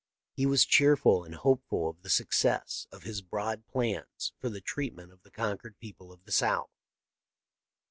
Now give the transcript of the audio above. He was cheerful and hopeful of the success of his broad plans for the treatment of the conquered people of the South.